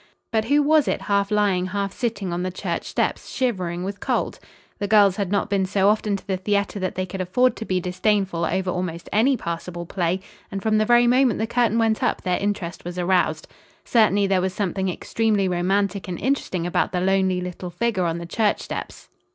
But who was it half lying, half sitting on the church steps, shivering with cold? The girls had not been so often to the theater that they could afford to be disdainful over almost any passable play, and from the very moment the curtain went up their interest was aroused. Certainly, there was something extremely romantic and interesting about the lonely little figure on the church steps.